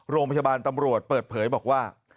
โรงพยาบาลตำรวจเปิดเผยบอกว่า